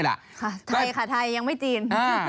ไทยค่ะไทยยังไม่จีน